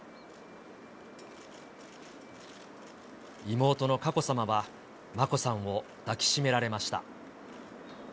妹の佳子さまは、眞子さんを抱きしめられました。